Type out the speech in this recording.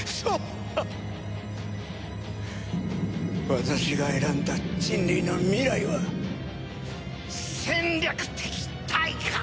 私が選んだ人類の未来は戦略的退化。